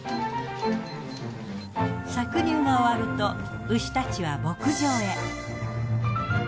搾乳が終わると牛たちは牧場へ。